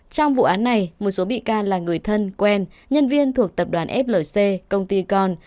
trong vụ án này một số bị can là người thân quen nhân viên thuộc tập đoàn flc công ty con